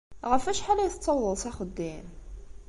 Ɣef wacḥal ay tettawḍeḍ s axeddim?